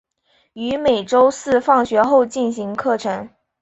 于每周四放学后进行课程。